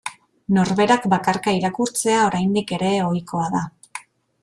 Norberak bakarka irakurtzea oraindik ere ohikoa da.